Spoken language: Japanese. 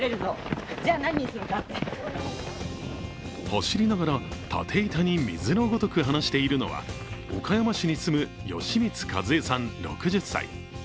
走りながら立て板に水のごとく話しているのは岡山市に住む吉光和恵さん６０歳。